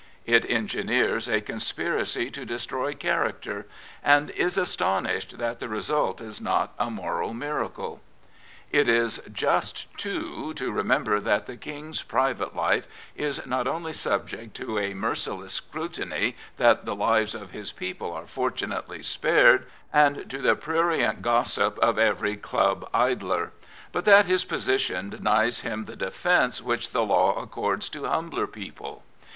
It engineers a conspiracy to destroy character, and is astonished that the result is not a moral miracle. It is just, too, to remember that the King's private life is not only subject to a merciless scrutiny that the lives of his people are fortunately spared, and to the pr urie nt gossip of every club idler; but that his position denies him the defence which the law accords to humbler people.